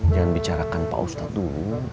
jangan bicarakan pak ustadz dulu